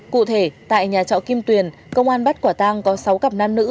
cụ thể tại nhà trọ kim tuyền công an bắt quả tang có sáu cặp nam nữ